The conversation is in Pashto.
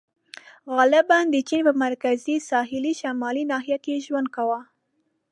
• غالباً د چین په مرکزي ساحلي شمالي ناحیه کې یې ژوند کاوه.